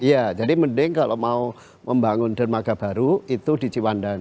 ya jadi mending kalau mau membangun dermaga baru itu di ciwandan